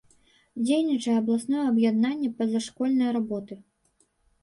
Дзейнічае абласное аб'яднанне пазашкольнай работы.